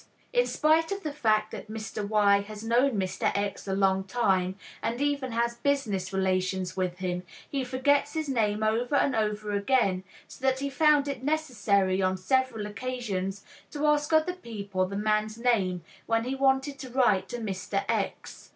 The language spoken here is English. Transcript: In spite of the fact that Mr. Y. has known Mr. X. a long time, and even has business relations with him, he forgets his name over and over again, so that he found it necessary on several occasions to ask other people the man's name when he wanted to write to Mr. X."